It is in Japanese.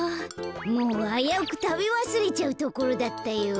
もうあやうくたべわすれちゃうところだったよ。